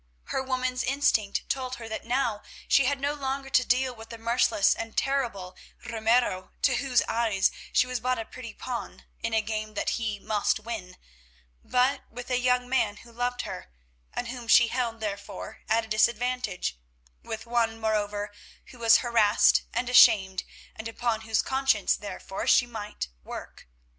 Her woman's instinct told her that now she had no longer to do with the merciless and terrible Ramiro, to whose eyes she was but a pretty pawn in a game that he must win, but with a young man who loved her, and whom she held, therefore, at a disadvantage—with one, moreover, who was harassed and ashamed, and upon whose conscience, therefore, she might work.